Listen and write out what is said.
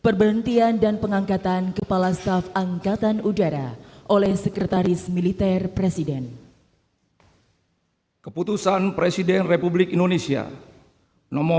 raya kebangsaan indonesia raya